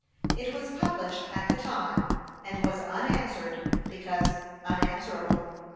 It was published at the time, and was unanswered, because unanswerable.